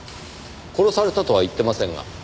殺されたとは言ってませんが。